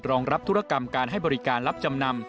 รองรับธุรกรรมการให้บริการรับจำนำ